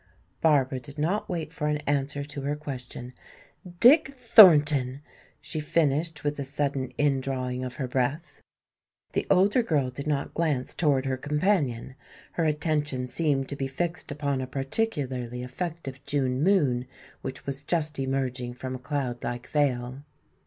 Barbara did not wait for an answer to her question. "Dick Thornton!" she finished with a sudden indrawing of her breath. The older girl did not glance toward her companion. Her attention seemed to be fixed upon a particularly effective June moon which was just emerging from a cloud like veil.